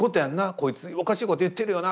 こいつおかしいこと言ってるよな。